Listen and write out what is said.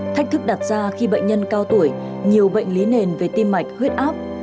thách thức đặt ra khi bệnh nhân cao tuổi nhiều bệnh lý nền về tim mạch huyết áp